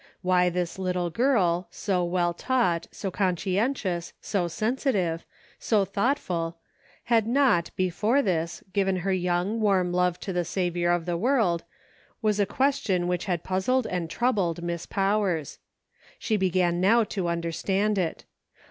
Why this little girl, so well taught, so conscientious, so sensitive, so thoughtful, had not, before this, given her young, warm love to the Saviour of the world, was a ques tion which had puzzled and troubled Miss Powers. She began now to understand it.